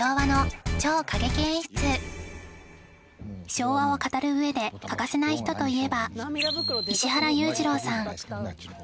昭和を語る上で欠かせない人といえば石原裕次郎さん